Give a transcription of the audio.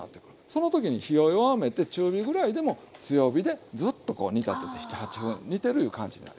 その時に火を弱めて中火ぐらいでも強火でずっとこう煮立てて７８分煮てるいう感じになりますね。